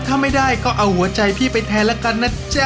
ถ้าไม่ได้ก็เอาหัวใจพี่ไปแทนแล้วกันนะจ๊ะ